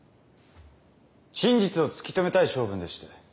真実を突き止めたい性分でして。